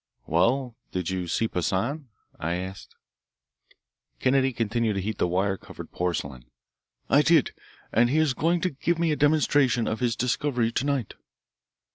"Well, did you see Poissan?" I asked. Kennedy continued to heat the wire covered porcelain. "I did, and he is going to give me a demonstration of his discovery to night."